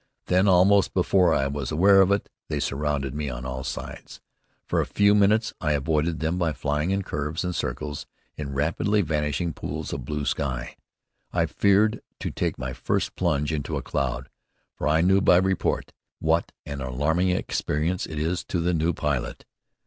Then, almost before I was aware of it, they surrounded me on all sides. For a few minutes I avoided them by flying in curves and circles in rapidly vanishing pools of blue sky. I feared to take my first plunge into a cloud, for I knew, by report, what an alarming experience it is to the new pilot.